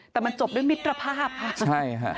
แต่มันจบเรื่องมิตรภาพคราวะใช่ฮะ